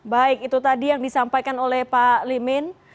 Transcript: baik itu tadi yang disampaikan oleh pak limin